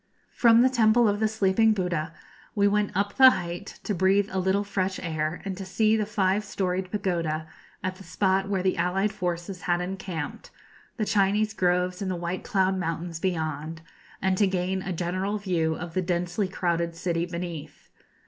] From the Temple of the Sleeping Buddha we went up the height to breathe a little fresh air, and to see the five storied pagoda at the spot where the allied forces had encamped, the Chinese groves in the White Cloud Mountains beyond, and to gain a general view of the densely crowded city beneath.